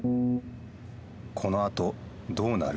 このあとどうなる？